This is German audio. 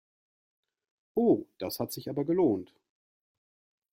Oh, das hat sich aber gelohnt!